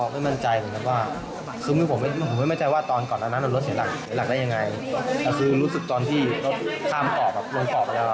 ผมก็ไม่มั่นใจความจำว่า